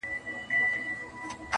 په جرګو کي به ګرېوان ورته څیرمه!